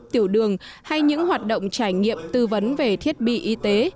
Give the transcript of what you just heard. tiểu đường hay những hoạt động trải nghiệm tư vấn về thiết bị y tế